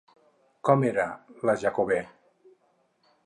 Com era la Jacobè?